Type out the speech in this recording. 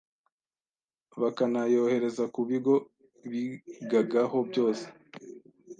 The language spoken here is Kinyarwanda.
bakanayohereza ku bigo bigagaho byose.